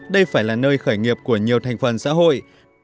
đây phải là nơi khởi nghiệp của nhiều thành phần xã hội